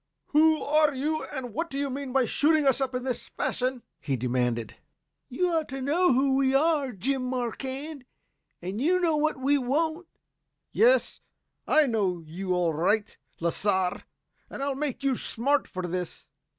"Who are you and what do you mean by shooting us up in this fashion?" he demanded. "You ought to know who we are, Jim Marquand, and you know what we want!" "Yes, I know you all right, Lasar, and I'll make you smart for this."